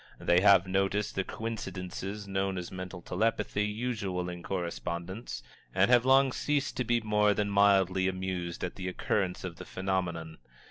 They have noticed the coincidences known as mental telepathy usual in correspondence, and have long ceased to be more than mildly amused at the occurrence of the phenomenon.